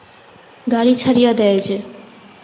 গাড়ি ছাড়িয়া দেয় যে!